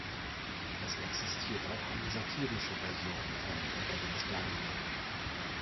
Es existiert auch eine satirische Version von Unter dem Sternenbanner.